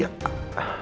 aku harus gimana